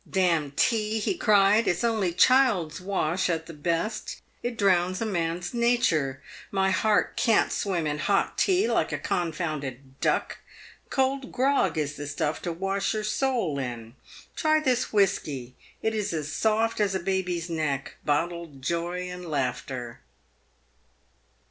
" D — n tea !" he cried, " it's only child's wash at the best. It drowns a man's nature. My heart can't swim in hot tea like a confounded duck. Cold grog is the stuif to wash your soul in. Try this whisky ; it is as soft as a baby's neck ; bottled joy and laughter